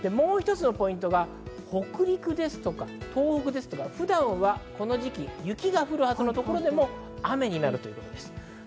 もう一つのポイントが北陸ですとか、東北とか普段はこの時期、雪が降るはずのところでも雨になるということです。